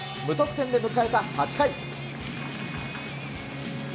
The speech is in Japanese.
無得点で迎えた８回。